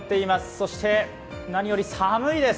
そして何より寒いです。